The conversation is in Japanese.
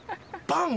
パン。